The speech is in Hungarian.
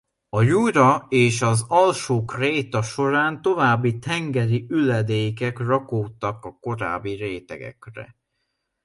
A jura és az alsó kréta során további tengeri üledékek rakódtak a korábbi rétegekre.